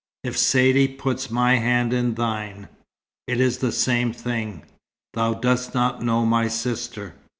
"If Saidee puts my hand in thine." "It is the same thing." "Thou dost not know my sister."